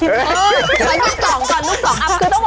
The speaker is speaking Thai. ไหวลูก๒ก่อนลูก๒